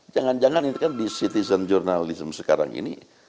jangan jangan di citizen journalism sekarang ini